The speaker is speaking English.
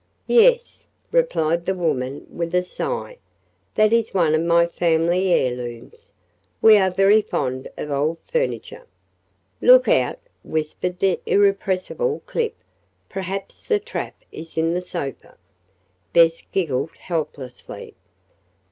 "Yes," replied the woman with a sigh, "that is one of my family heirlooms. We are very fond of old furniture." "Look out!" whispered the irrepressible Clip. "Perhaps the trap is in the sofa!" Bess giggled helplessly.